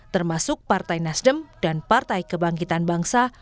termasuk partai nasdem dan partai kebangkitan bangsa